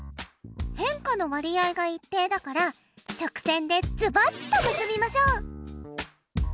変化の割合が一定だから直線でズバッと結びましょう。